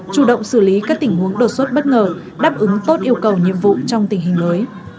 chủ động xử lý các tình huống đột xuất bất ngờ đáp ứng tốt yêu cầu nhiệm vụ trong tình hình mới